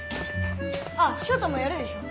あっショウタもやるでしょ。